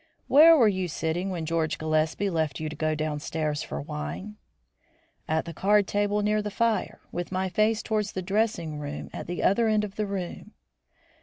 "Where were you sitting when George Gillespie left you to go downstairs for wine?" "At the card table near the fire, with my face towards the dressing room at the other end of the room."